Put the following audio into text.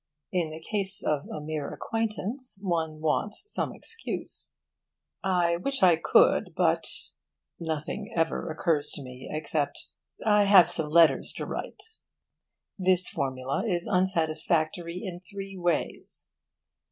In the case of a mere acquaintance one wants some excuse. 'I wish I could, but' nothing ever occurs to me except 'I have some letters to write.' This formula is unsatisfactory in three ways.